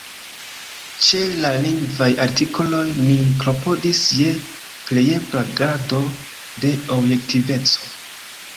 Ĉe la lingvaj artikoloj ni klopodis je plejebla grado de objektiveco.